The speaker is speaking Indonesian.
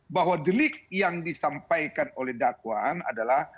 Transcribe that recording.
bahwa delik yang disampaikan oleh dakwaan adalah